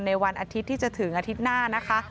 วันอาทิตย์ที่จะถึงอาทิตย์หน้านะคะ